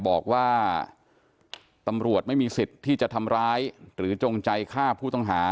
บอกว่าตำรวจไม่มีสิทธิ์ที่จะทำร้ายหรือจงใจฆ่าผู้ต้องหา